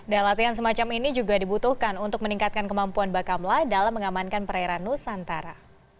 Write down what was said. dan latihan semacam ini juga dibutuhkan untuk meningkatkan kemampuan bakamla dalam mengamankan perairan nusantara